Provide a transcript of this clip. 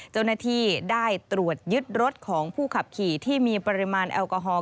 เจ้าหน้าที่ได้ตรวจยึดรถของผู้ขับขี่ที่มีปริมาณแอลกอฮอล